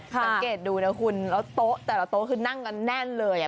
สังเกตดูนะคุณแล้วโต๊ะแต่ละโต๊ะคือนั่งกันแน่นเลย